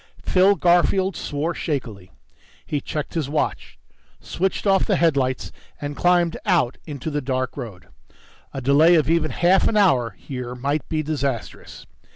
Phil Garfield swore shakily. He checked his watch, switched off the headlights and climbed out into the dark road. A delay of even half an hour here might be disastrous.